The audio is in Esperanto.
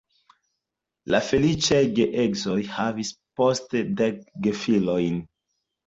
La feliĉaj geedzoj havis poste dek gefilojn.